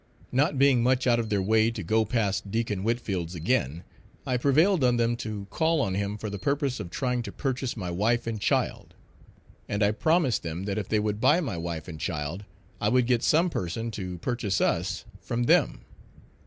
Not being much out of their way to go past Deacon Whitfield's again, I prevailed on them to call on him for the purpose of trying to purchase my wife and child; and I promised them that if they would buy my wife and child, I would get some person to purchase us from them.